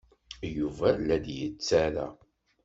Yuba la d-yettarra.